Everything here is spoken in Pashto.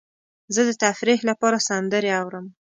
زه د تفریح لپاره سندرې اورم.